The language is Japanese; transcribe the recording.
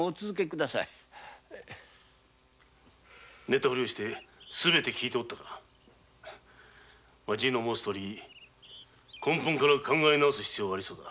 寝たふりをしてすべて聞いておったかじいの申すとおり根本から考え直す必要がありそうだ。